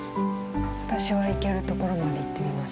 私は行けるところまで行ってみます。